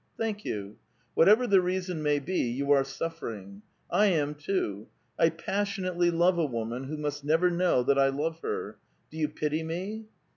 Thank you. Whatever the reason may be, 3'ou are suffering. I am too. I passion ately love a woman who must never know that I love her. Do you pity me